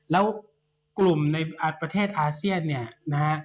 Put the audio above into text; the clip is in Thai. แล้วกลุ่มในประเทศอาเซียน